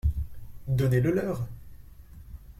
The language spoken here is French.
Donnez-le-leur.